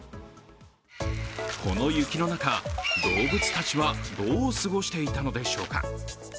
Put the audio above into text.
この雪の中、動物たちはどう過ごしていたのでしょうか。